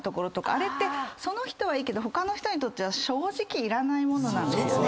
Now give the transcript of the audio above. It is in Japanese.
あれってその人はいいけど他の人にとっては正直いらないものなんですよね。